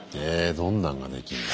どんなんが出来んだ？